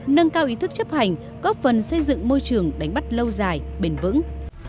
nâng cao ý thức chấp hành góp phần xây dựng môi trường đánh bắt lâu dài bền vững